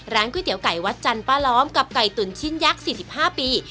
ก๋วยเตี๋ยไก่วัดจันทร์ป้าล้อมกับไก่ตุ๋นชิ้นยักษ์๔๕ปี